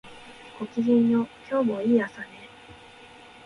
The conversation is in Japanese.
ごきげんよう、今日もいい朝ね